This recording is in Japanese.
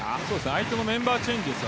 相手のメンバーチェンジです。